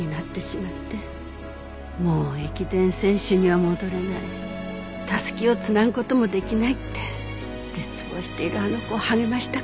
「もう駅伝選手には戻れない」「たすきを繋ぐ事もできない」って絶望しているあの子を励ましたくて。